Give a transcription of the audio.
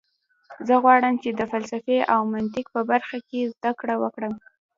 زه غواړم چې د فلسفې او منطق په برخه کې زده کړه وکړم